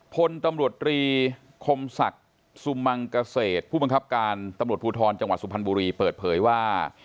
พลตำรวจตรีคมศักดิ์สุมังเกษตรผู้บังคับการตำรวจภูทรจังหวัดสุพรรณบุรีเปิดเผยว่า